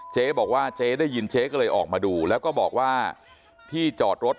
เจ๊บอกว่าเจ๊ได้ยินเจ๊ก็เลยออกมาดูแล้วก็บอกว่าที่จอดรถ